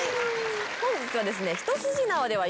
本日はですね。